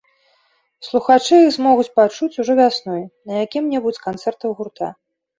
Слухачы іх змогуць пачуць ужо вясной, на якім-небудзь з канцэртаў гурта.